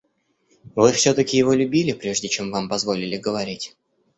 Вы всё-таки его любили, прежде чем вам позволили говорить?